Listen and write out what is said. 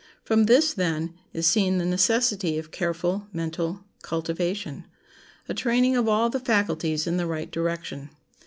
From this, then, is seen the necessity of careful mental cultivation—a training of all the faculties in the right direction.